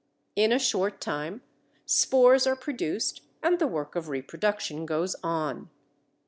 In a short time spores are produced and the work of reproduction goes on.